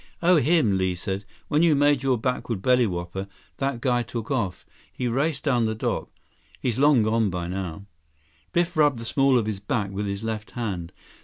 "Oh, him," Li said. "When you made your backward bellywhopper, that guy took off. He raced down the dock. He's long gone by now." Biff rubbed the small of his back with his left hand.